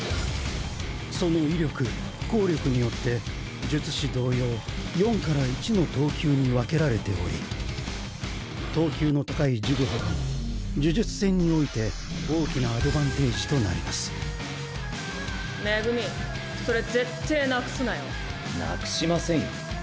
その威力効力によって術師同様４から１の等級に分けられており等級の高い呪具ほど呪術戦において大きなアドバンテージとなります恵それぜってなくしませんよ